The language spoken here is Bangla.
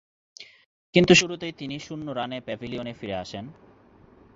কিন্তু শুরুতেই তিনি শূন্য রানে প্যাভিলিয়নে ফিরে আসেন।